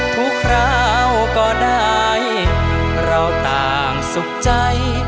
คราวก็ได้เราต่างสุขใจ